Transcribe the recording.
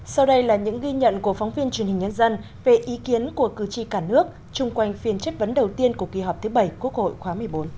sau đây là những ghi nhận của phóng viên truyền hình nhân dân về ý kiến của cử tri cả nước chung quanh phiên chất vấn đầu tiên của kỳ họp thứ bảy quốc hội khóa một mươi bốn